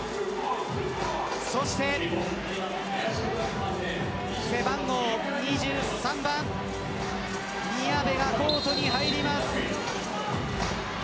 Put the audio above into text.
そして背番号２３番宮部がコートに入ります。